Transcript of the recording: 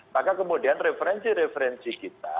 maka kemudian referensi referensi kita